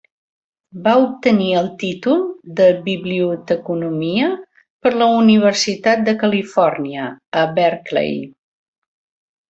Va obtenir el títol de Biblioteconomia per la Universitat de Califòrnia a Berkeley.